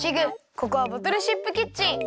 ここはボトルシップキッチン。